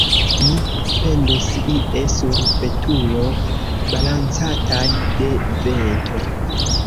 Ni pendus ie sur betulo, balancataj de vento.